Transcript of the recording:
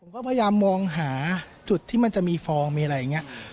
ก็พยายามมองหาจุดที่มันจะมีฟองมีอะไรอย่างนี้